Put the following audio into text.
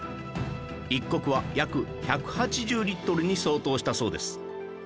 １石は約１８０リットルに相当したそうです